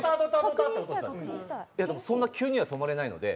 いや、でもそんな急には止まれないので。